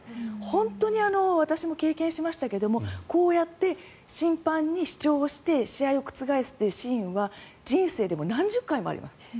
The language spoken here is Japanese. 本当に私も経験しましたがこうやって審判に主張をして試合を覆すというシーンは人生でも何十回もあります。